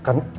gak ada mak